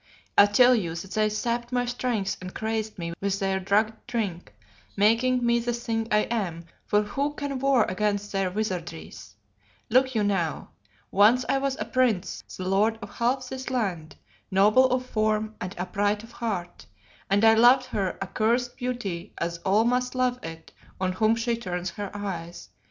I tell you that they sapped my strength and crazed me with their drugged drink, making me the thing I am, for who can war against their wizardries? Look you now. Once I was a prince, the lord of half this land, noble of form and upright of heart, and I loved her accursed beauty as all must love it on whom she turns her eyes.